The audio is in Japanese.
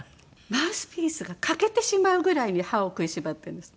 マウスピースが欠けてしまうぐらいに歯を食いしばってるんです。